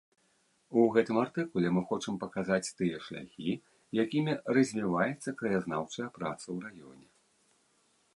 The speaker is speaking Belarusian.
У гэтым артыкуле мы хочам паказаць тыя шляхі, якімі развіваецца краязнаўчая праца ў раёне.